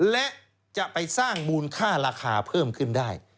และจะไปสร้างมูลค่าราคาเพิ่มขึ้นได้